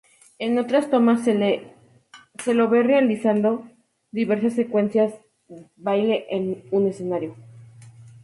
En otras tomas se lo ve realizando diversas secuencias baile en un escenario.